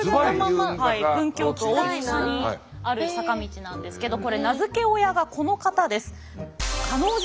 文京区大塚にある坂道なんですけどこれ名付け親がこの方です。